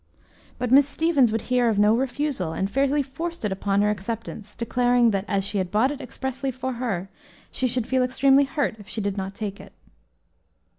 But Miss Stevens would hear of no refusal, and fairly forced it upon her acceptance, declaring that, as she had bought it expressly for her, she should feel extremely hurt if she did not take it.